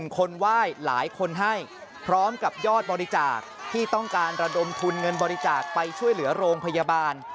คนไหว้หลายคนให้พร้อมกับยอดบริจาคที่ต้องการระดมทุนเงินบริจาคไปช่วยเหลือโรงพยาบาล